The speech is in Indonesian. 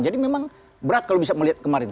jadi memang berat kalau bisa melihat kemarin